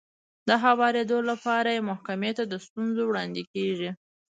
د هوارېدو لپاره يې محکمې ته ستونزه وړاندې کېږي.